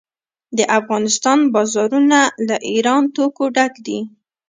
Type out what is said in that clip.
د افغانستان بازارونه له ایراني توکو ډک دي.